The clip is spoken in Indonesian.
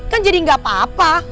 kan jadi gak apa apa